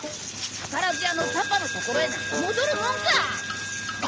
わからずやのパパのところへなんか戻るもんか。